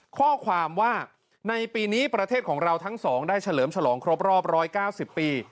ข้อความว่าในปีนี้ประเทศของเราทั้งสองได้เฉลิมฉลองครบรอบ๑๙๐ปี